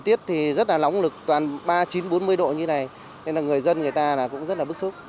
tiết thì rất là lóng lực toàn ba chín bốn mươi độ như này nên là người dân người ta cũng rất là bức xúc